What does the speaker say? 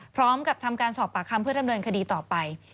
พร้อมกับทำการสอบปากคำเพื่อดำเนินคดีต่อไป